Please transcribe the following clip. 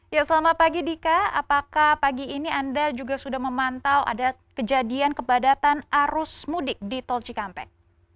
ya selamat pagi dika apakah pagi ini anda juga sudah memantau ada kejadian kepadatan arus mudik di tol cikampek